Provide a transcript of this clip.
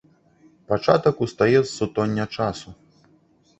Пачатак устае з сутоння часу.